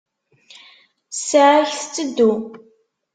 Ssaɛa-k tteddu.